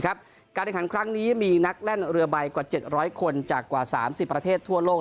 การแข่งขันครั้งนี้มีนักแล่นเรือใบกว่า๗๐๐คนจากกว่า๓๐ประเทศทั่วโลก